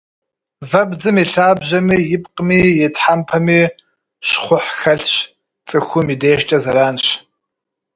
Вэбдзым и лъабжьэми, и пкъыми, и тхьэмпэми щхъухь хэлъщ, цӏыхум и дежкӏэ зэранщ.